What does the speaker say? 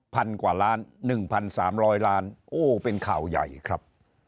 พันกว่าล้าน๑๓๐๐ล้านโอ้เป็นข่าวใหญ่ครับ